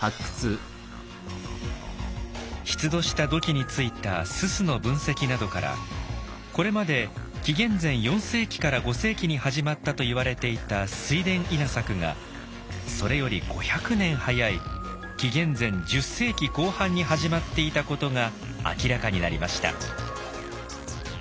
出土した土器についた煤の分析などからこれまで紀元前４世紀から５世紀に始まったといわれていた水田稲作がそれより５００年早い紀元前１０世紀後半に始まっていたことが明らかになりました。